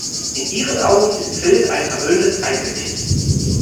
In ihren Augen ist Phil ein verwöhntes Einzelkind.